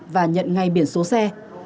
và nhận ngay biển số xe